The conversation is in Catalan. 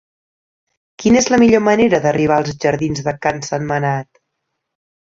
Quina és la millor manera d'arribar als jardins de Can Sentmenat?